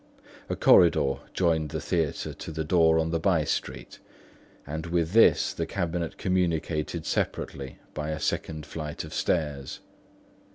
A corridor joined the theatre to the door on the by street; and with this the cabinet communicated separately by a second flight of stairs.